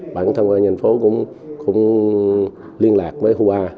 bản thân hubar nhanh phố cũng liên lạc với hubar